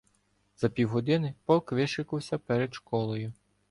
За півгодини полк вишикувався перед школою.